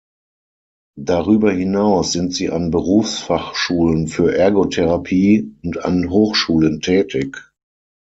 Darüber hinaus sind sie an Berufsfachschulen für Ergotherapie und an Hochschulen tätig.